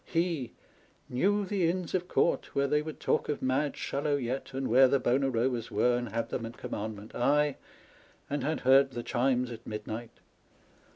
He " knew the Inns of Court, where they would talk of mad Shallow yet, and where the bona robas were, and had them at commandment : aye, and had heard the chimes at midnight